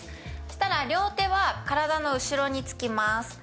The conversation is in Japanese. したら両手は体の後ろにつきます。